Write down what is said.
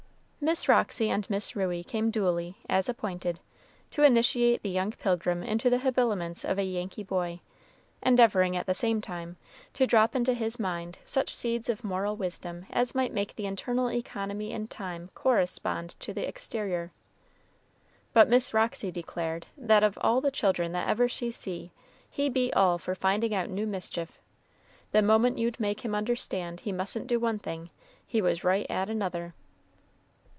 Miss Roxy and Miss Ruey came duly, as appointed, to initiate the young pilgrim into the habiliments of a Yankee boy, endeavoring, at the same time, to drop into his mind such seeds of moral wisdom as might make the internal economy in time correspond to the exterior. But Miss Roxy declared that "of all the children that ever she see, he beat all for finding out new mischief, the moment you'd make him understand he mustn't do one thing, he was right at another."